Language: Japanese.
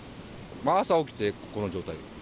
朝起きて、この状態。